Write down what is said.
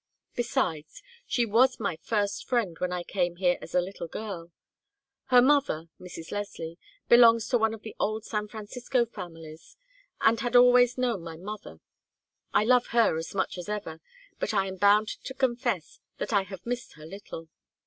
Besides, she was my first friend when I came here as a little girl. Her mother Mrs. Leslie belongs to one of the old San Francisco families, and had always known my mother. I love her as much as ever, but I am bound to confess that I have missed her little.